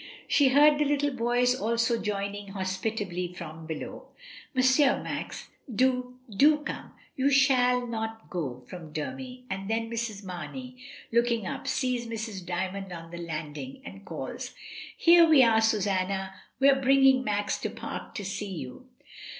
She heard the little boys also joining hospitably from below: "M. Max, do — do come; you shall not go," from Dermy; and then Mrs, Marney, looking up, sees Mrs. Dymond on the landing, and calls — "Here we are, Susanna; we are bringing Max du Pare to see you."